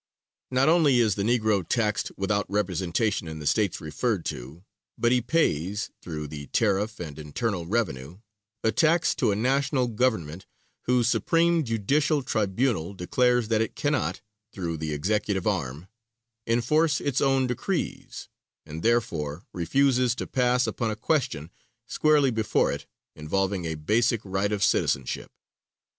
Not only is the Negro taxed without representation in the States referred to, but he pays, through the tariff and internal revenue, a tax to a National government whose supreme judicial tribunal declares that it cannot, through the executive arm, enforce its own decrees, and, therefore, refuses to pass upon a question, squarely before it, involving a basic right of citizenship.